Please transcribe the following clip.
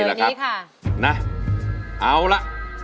นี่แหละครับนะเอาละ